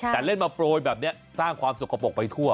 แต่เล่นมาโปรยแบบนี้สร้างความสกปรกไปทั่ว